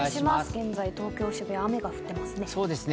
現在、東京・渋谷は雨が降ってますね。